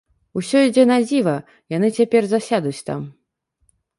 Усё ідзе надзіва, яны цяпер засядуць там.